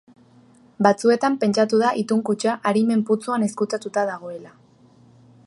Batzuetan pentsatu da itun-kutxa Arimen putzuan ezkutatuta dagoela.